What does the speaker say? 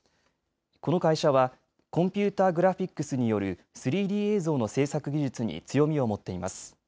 この会社はコンピューターグラフィックスによる３Ｄ映像の制作技術に強みを持っています。